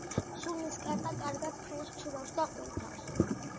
ცულნისკარტა კარგად ფრენს, ცურავს და ყვინთავს.